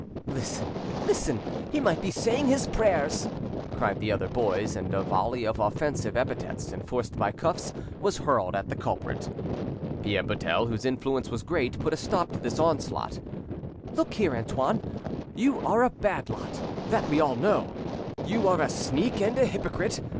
"Listen, listen! he might be saying his prayers!" cried the other boys; and a volley of offensive epithets, enforced by cuffs, was hurled at the culprit. Pierre Buttel, whose influence was great, put a stop to this onslaught. "Look here, Antoine, you are a bad lot, that we all know; you are a sneak and a hypocrite.